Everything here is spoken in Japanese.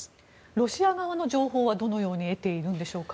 ロシア側の情報はどのように得ているんでしょうか。